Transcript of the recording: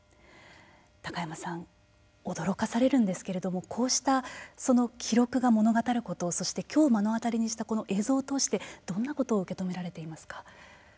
高山さん驚かされるんですけれどもこうした記録が物語ることそして、きょう目の当たりにした映像を通してどんなことを受け止められていますか。